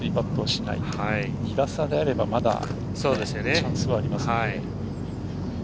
２打差であればまだチャンスはあります。